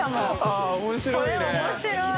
あぁ面白いね。